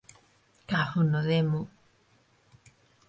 Cago no demo.